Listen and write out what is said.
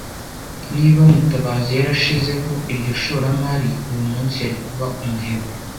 Niba Mutabazi yarashizeho iryo shoramari, uyu munsi yari kuba umuherwe.